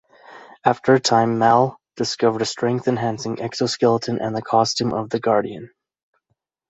After a time, Mal discovers a strength-enhancing exoskeleton and the costume of the Guardian.